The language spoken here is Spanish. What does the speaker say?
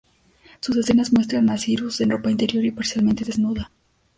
Sus escenas muestran a Cyrus en ropa interior y parcialmente desnuda.